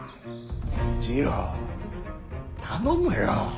次郎頼むよ。